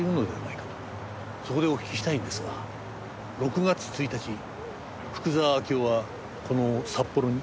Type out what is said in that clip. そこでお聞きしたいんですが６月１日福沢明夫はこの札幌に？